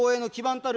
たる